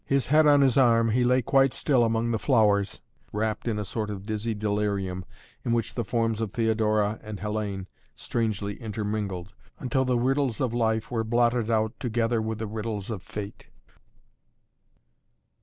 His head on his arm he lay quite still among the flowers, wrapt in a sort of dizzy delirium in which the forms of Theodora and Hellayne strangely intermingled, until the riddles of life were blotted out together with the riddles of Fate.